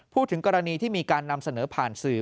พูดถึงกรณีที่มีการนำเสนอผ่านสื่อ